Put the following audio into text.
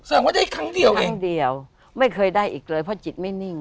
แสดงว่าได้ครั้งเดียวเองครั้งเดียวไม่เคยได้อีกเลยเพราะจิตไม่นิ่ง